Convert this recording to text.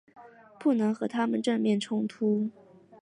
不能和他们正面冲突